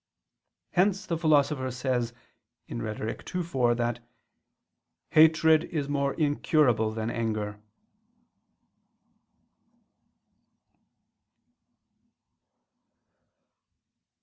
Hence the Philosopher says (Rhet. ii, 4) that "hatred is more incurable than anger."